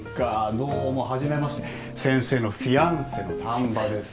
どうもはじめまして先生のフィアンセの丹波です。